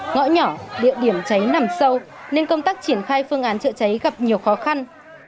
ngõ nhỏ địa điểm cháy nằm sâu nên công tác triển khai phương án chữa cháy gặp nhiều khó khăn